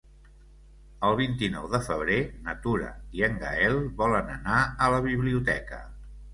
El vint-i-nou de febrer na Tura i en Gaël volen anar a la biblioteca.